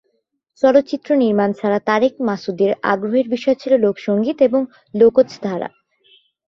চলচ্চিত্র নির্মাণ ছাড়া তারেক মাসুদের আগ্রহের বিষয় ছিল লোকসঙ্গীত এবং লোকজ ধারা।